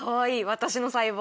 私の細胞。